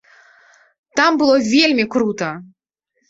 Там было вельмі крута!